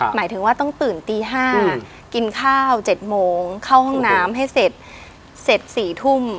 หมายถึงว่าต้องตื่นตี๕กินข้าว๗โมงเข้าห้องน้ำให้เสร็จ๔ทุ่ม